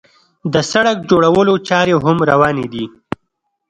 د سړک جوړولو چارې هم روانې دي.